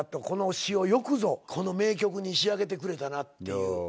この詞をよくぞこの名曲に仕上げてくれたなっていう。